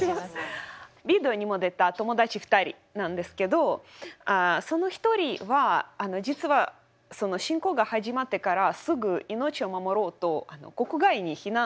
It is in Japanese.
ビデオにも出た友達２人なんですけどあその一人は実はその侵攻が始まってからすぐ命を守ろうと国外に避難はしたんですよ。